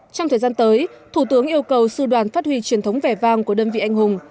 trong thời gian tới thủ tướng yêu cầu sư đoàn phát huy truyền thống vẻ vang của đơn vị anh hùng